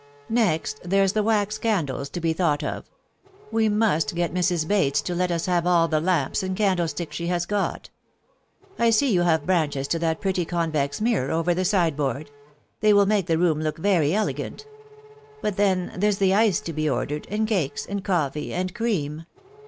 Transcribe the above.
Next, there's the wax candles to be thought of. We must get Mrs. Bates to let us have all the lamps and candlesticks she has got. I see you have A FINANCIAL NOVELTT. 163 branches to that pretty convex mirror over the sideboard ; they will make the room look very elegant : hut then there's the ice to be ordered, and cakes, and coffee, and cream.